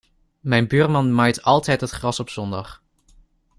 Mijn buurman maait altijd het gras op zondag.